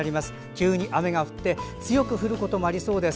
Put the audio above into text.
急に雨が降って強く降ることもありそうです。